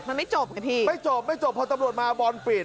มันไม่จบไงพี่ไม่จบไม่จบพอตำรวจมาบอลปิด